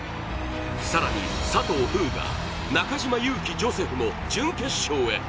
更に佐藤風雅、中島佑気ジョセフも準決勝へ。